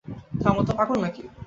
থামো তো, পাগল নাকি।